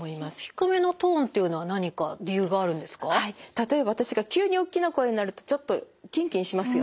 例えば私が急におっきな声になるとちょっとキンキンしますよね。